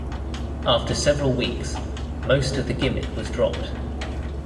After several weeks, most of the gimmick was dropped.